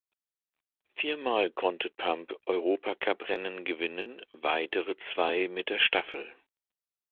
Viermal konnte Pump Europacuprennen gewinnen, weitere zwei mit der Staffel.